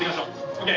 ＯＫ？